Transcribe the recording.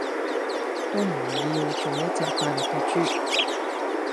都唔要做一隻快樂既豬